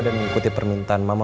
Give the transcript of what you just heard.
dan mengikuti permintaan mama